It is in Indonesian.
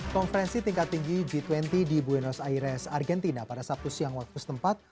konferensi tingkat tinggi g dua puluh di buenos aires argentina pada sabtu siang waktu setempat